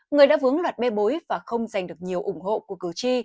người đã vướng loạt bê bối và không giành được nhiều ủng hộ của cử tri